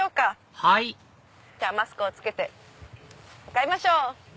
はいマスクを着けて向かいましょう！